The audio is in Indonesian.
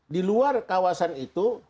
diluar kawasan itu